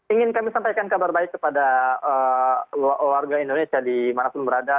ingin kami sampaikan kabar baik kepada warga indonesia di mana pun berada